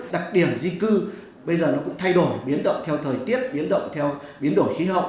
đặc điểm di cư bây giờ nó cũng thay đổi biến động theo thời tiết biến động theo biến đổi khí hậu